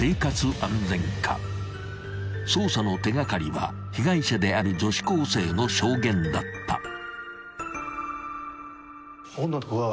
［捜査の手掛かりは被害者である女子高生の証言だった］